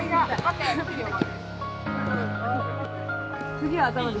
次は頭で。